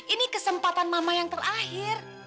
ini kesempatan mama yang terakhir